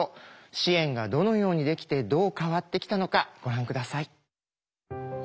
支援がどのようにできてどう変わってきたのかご覧下さい。